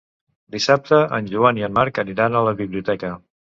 Dissabte en Joan i en Marc aniran a la biblioteca.